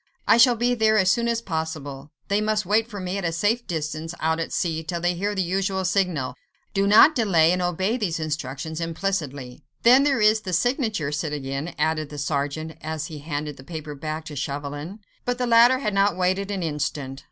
I shall be there as soon as possible—they must wait for me at a safe distance out at sea, till they hear the usual signal. Do not delay—and obey these instructions implicitly." "Then there is the signature, citoyen," added the sergeant, as he handed the paper back to Chauvelin. But the latter had not waited an instant.